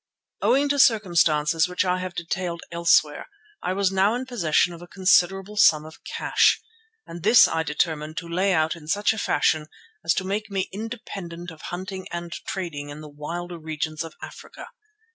Owing to circumstances which I have detailed elsewhere I was now in possession of a considerable sum of cash, and this I determined to lay out in such a fashion as to make me independent of hunting and trading in the wilder regions of Africa.